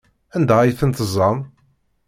Anda ay ten-teẓẓam?